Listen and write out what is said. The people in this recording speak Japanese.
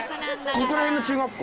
ここら辺の中学校？